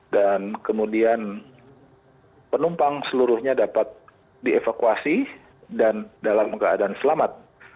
dan kemudian penumpang seluruhnya dapat dievakuasi dan dalam keadaan selamat